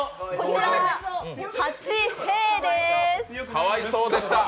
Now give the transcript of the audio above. かわいそうでした。